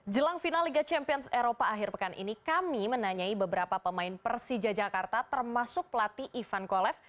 jelang final liga champions eropa akhir pekan ini kami menanyai beberapa pemain persija jakarta termasuk pelatih ivan kolev